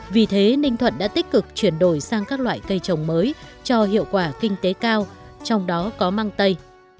vì thế ninh thuận đã tích cực chuyển đổi sang các loại cây trồng mới cho hiệu quả kinh tế cao trong đó có mang tây